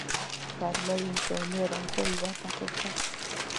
غرمه د انساني ارامتیا یوه دقیقه ده